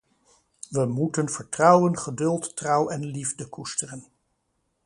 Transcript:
We moeten vertrouwen, geduld, trouw en liefde koesteren.